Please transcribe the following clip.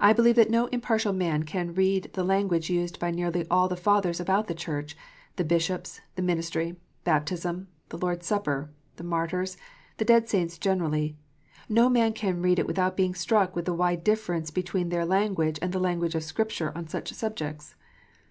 I believe that no impartial man can read the language used by nearly all the Fathers about the Church, the bishops, the ministry, baptism, the Lord s Supper, the martyrs, the dead saints generally, no man can read it without being struck with the wide difference between their language and the language of Scripture on such subjects.